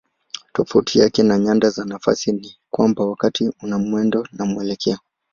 Tofauti yake na nyanda za nafasi ni ya kwamba wakati una mwendo na mwelekeo.